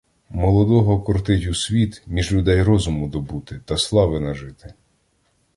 Молодого кортить у світ, між людей розуму добути та слави нажити.